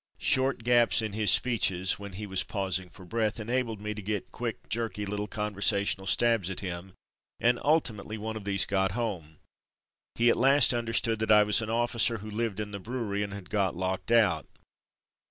Short gaps in his speeches (when he was pausing for breath) enabled me to get quick, jerky little conversational stabs at him, and ultimately one of these got home. He at last under stood that I was an officer who lived in the brewery, and had got locked out.